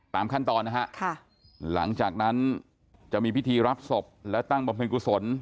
ตามขั้นตอนนะฮะหลังจากนั้นจะมีพิธีรับศพและตั้งบำเพ็ญกุศล